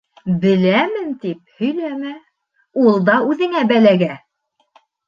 «Беләмен» тип һөйләмә ул да үҙеңә бәләгә.